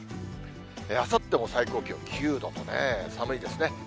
あさっても最高気温９度とね、寒いですね。